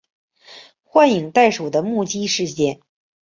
幻影袋鼠的目击事件。